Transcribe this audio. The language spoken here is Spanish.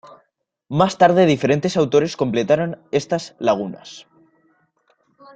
Más tarde, diferentes autores completaron estas lagunas.